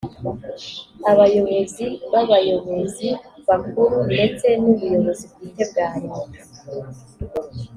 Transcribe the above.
abayobozi bayobozi bakuru ndetse n’ubuyobozi bwite bwa leta